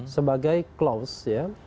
sebagai clause ya